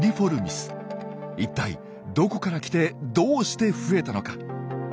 一体どこから来てどうして増えたのか？